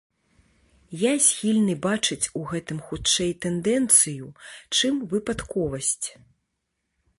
Я схільны бачыць у гэтым, хутчэй, тэндэнцыю, чым выпадковасць.